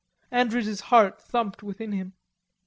Andrews's heart thumped within him.